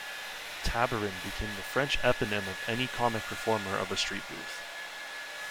"Tabarin" became the French eponym of any comic performer of a street booth.